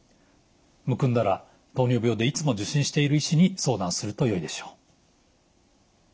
むくんだら糖尿病でいつも受診している医師に相談するとよいでしょう。